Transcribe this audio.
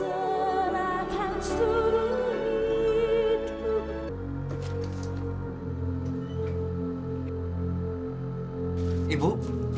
ibu mau ke mana bu